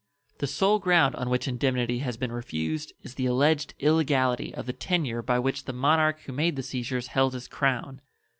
The sole ground on which indemnity has been refused is the alleged illegality of the tenure by which the monarch who made the seizures held his crown.